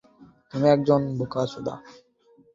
অশুদ্ধাত্মা পুরুষ কখনও ধার্মিক হইতে পারে না।